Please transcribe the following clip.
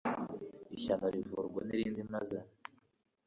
ishyano rivurwa n'irindi maze